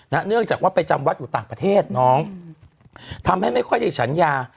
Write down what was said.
เนื่องจากว่าไปจำวัดอยู่ต่างประเทศน้องทำให้ไม่ค่อยได้ฉันยา